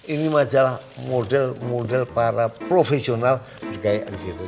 ini majalah model model para profesional bergaya di situ